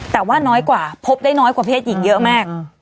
แต่ว่าน้อยกว่าพบได้น้อยกว่าเพศหญิงเยอะมาก